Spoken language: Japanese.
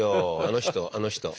あの人あの人。